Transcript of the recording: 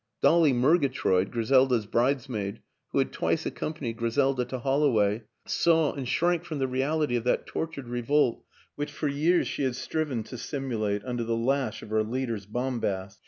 Dolly Murgatroyd, Griselda's bridesmaid, who had twice accom panied Griselda to Holloway, saw and shrank from the reality of that tortured revolt which for years she had striven to simulate under the lash of her leaders' bombast.